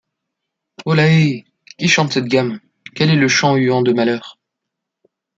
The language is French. Holàhée! qui chante cette gamme? quel est le chat-huant de malheur ?